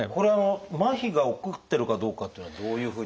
まひが起こってるかどうかっていうのはどういうふうに。